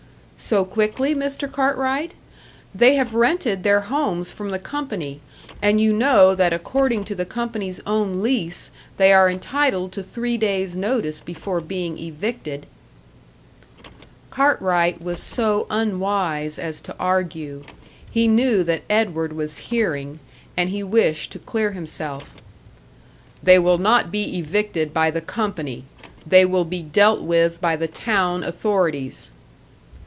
"So quickly, Mr. Cartwright? They have rented their homes from the company, and you know that according to the company's own lease they are entitled to three days' notice before being evicted!" Cartwright was so unwise as to argue. He knew that Edward was hearing, and he wished to clear himself. "They will not be evicted by the company. They will be dealt with by the town authorities."